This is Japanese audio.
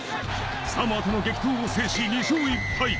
サモアの激闘を制し、２勝１敗。